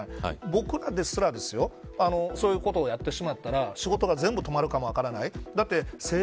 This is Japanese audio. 僕らですらそういうことをやってしまったら仕事が全部止まるかも分からない。